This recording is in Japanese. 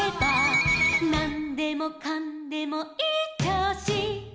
「なんでもかんでもいいちょうし」